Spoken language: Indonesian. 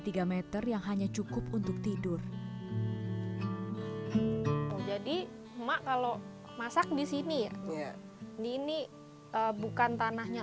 tiga m yang hanya cukup untuk tidur jadi emak kalau masak di sini ya ini bukan tanahnya